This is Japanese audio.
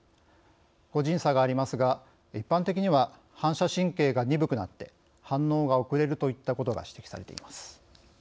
個人差がありますが一般的には反射神経が鈍くなって反応が遅れるといったことが指摘されています。